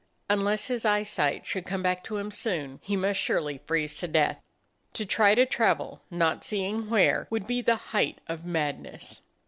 Unless his eyesight should come back to him soon, he must surely freeze to death. To try to travel, not seeing where, would be the height of madness.